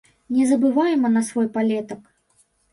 Не забывайма на свой палетак.